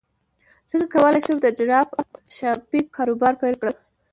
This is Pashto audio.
څنګه کولی شم د ډراپ شپینګ کاروبار پیل کړم